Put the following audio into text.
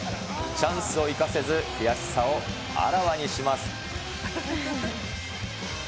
チャンスを生かせず、悔しさをあらわにします。